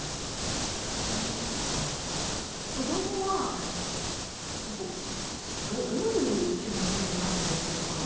その子どもはどういう気持ちなんでしょうか。